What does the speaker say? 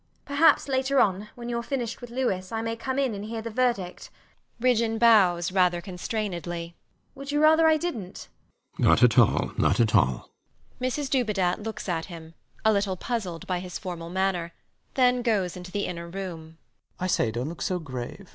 Perhaps later on, when youre finished with Louis, I may come in and hear the verdict. [Ridgeon bows rather constrainedly]. Would you rather I didnt? RIDGEON. Not at all. Not at all. Mrs Dubedat looks at him, a little puzzled by his formal manner; then goes into the inner room. LOUIS [flippantly] I say: dont look so grave.